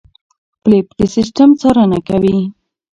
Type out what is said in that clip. فېلېپ د سیستم څارنه کوي.